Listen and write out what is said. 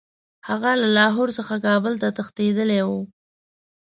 هغه له لاهور څخه کابل ته تښتېتدلی وو.